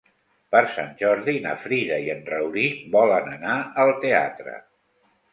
Per Sant Jordi na Frida i en Rauric volen anar al teatre.